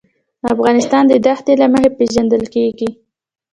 افغانستان د دښتې له مخې پېژندل کېږي.